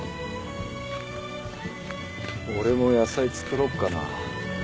俺も野菜作ろっかな。